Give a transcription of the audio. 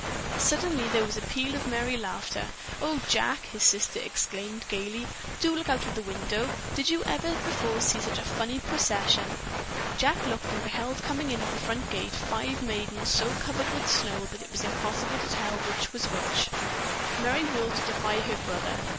Suddenly there was a peal of merry laughter. "Oh, Jack," his sister exclaimed gayly, "do look out of the window. Did you ever before see such a funny procession?" Jack looked and beheld coming in at the front gate five maidens so covered with snow that it was impossible to tell which was which. Merry whirled to defy her brother.